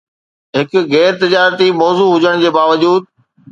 هڪ غير تجارتي موضوع هجڻ جي باوجود